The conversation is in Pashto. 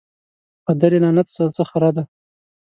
پدر یې لعنت سه څه خره دي